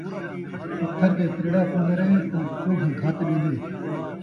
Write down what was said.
پتھر تے تریڑا پوندا رہے تاں چُگھ گھت ݙیندے